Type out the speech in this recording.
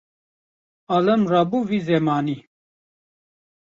Alim rabû vî zemanî